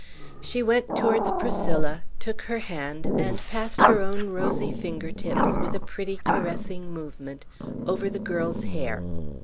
She went towards Priscilla, took her hand, and passed her own rosy finger tips, with a pretty, caressing movement, over the girl's hair.